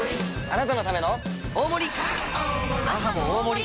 あなたのための大盛り！